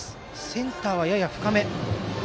センターはやや深め。